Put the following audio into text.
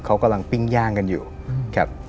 เขากำลังปิ้งย่างกันอยู่ครับ